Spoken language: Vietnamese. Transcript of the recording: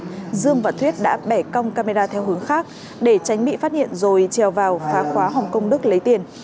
nhưng dương và thuyết đã bẻ cong camera theo hướng khác để tránh bị phát hiện rồi treo vào phá khóa hồng kông đức lấy tiền